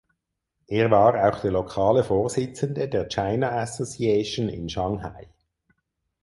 Er war auch der lokale Vorsitzende der China Association in Shanghai.